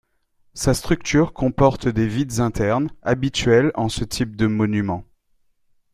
Sa structure comporte des vides internes, habituels en ce type de monuments.